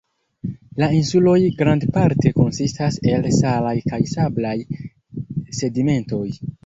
La insuloj grandparte konsistas el salaj kaj sablaj sedimentoj.